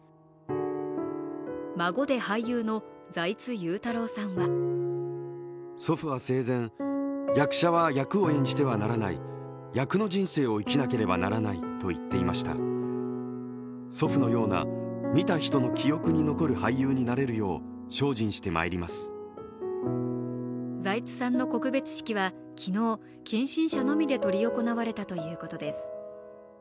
孫で俳優の財津優太郎さんは財津さんの告別式は昨日、近親者のみで執り行われたということです。